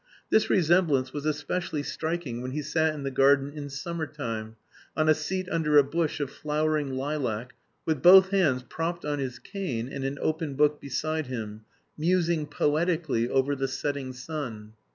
This resemblance was especially striking when he sat in the garden in summertime, on a seat under a bush of flowering lilac, with both hands propped on his cane and an open book beside him, musing poetically over the setting sun.